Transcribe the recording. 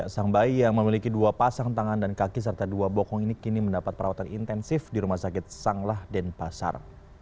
sang bayi yang memiliki dua pasang tangan dan kaki serta dua bokong ini kini mendapat perawatan intensif di rumah sakit sanglah denpasar